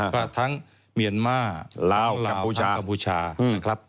ก็ทั้งเมียนมาส์ลาวแล้วกับกัมพูชา